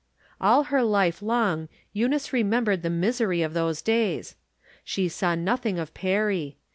All her life long Eunice remembered the mis ery of those days. She saw nothing of Perry.